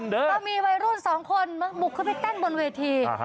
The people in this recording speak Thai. ก็มีวัยรุ่น๒คนบุกขึ้นไปเต้นบนเวที